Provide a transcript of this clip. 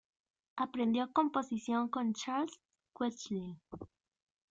Aprendió composición con Charles Koechlin.